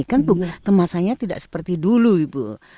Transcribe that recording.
kan bunga kemasannya tidak seperti dulu ibu